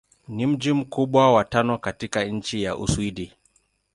Ni mji mkubwa wa tano katika nchi wa Uswidi.